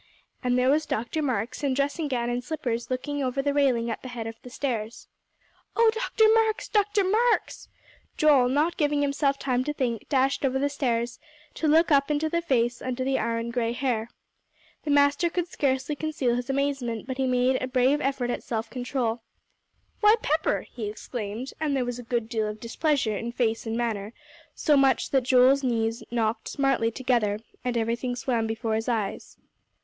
And there was Dr. Marks in dressing gown and slippers looking over the railing at the head of the stairs. "Oh Dr. Marks, Dr. Marks!" Joel, not giving himself time to think, dashed over the stairs, to look up into the face under the iron gray hair. The master could scarcely conceal his amazement, but he made a brave effort at self control. "Why, Pepper!" he exclaimed, and there was a good deal of displeasure in face and manner; so much so that Joel's knees knocked smartly together, and everything swam before his eyes.